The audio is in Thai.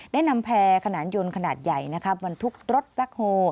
ได้นำแพร่ขนานยนต์ขนาดใหญ่บรรทุกรถแบ็คโฮ